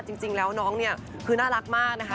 จริงแล้วน้องเนี่ยคือน่ารักมากนะคะ